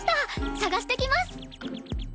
探してきます！